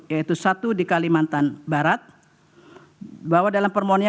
yaitu satu di kalimantan barat bahwa dalam permohonannya